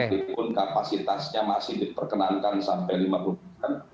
walaupun kapasitasnya masih diperkenankan sampai lima puluh persen